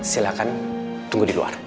silahkan tunggu di luar